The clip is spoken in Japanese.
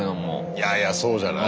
いやいやそうじゃない？